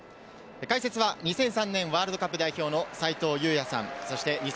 解説は２００３年ワールドカップ代表の斉藤祐也さん。